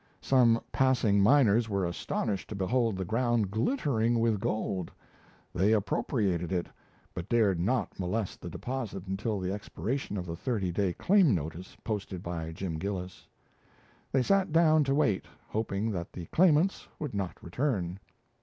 Some passing miners were astonished to behold the ground glittering with gold; they appropriated it, but dared not molest the deposit until the expiration of the thirty day claim notice posted by Jim Gillis. They sat down to wait, hoping that the claimants would not return.